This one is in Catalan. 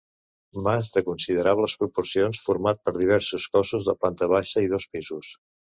Mas de considerables proporcions format per diversos cossos de planta baixa i dos pisos.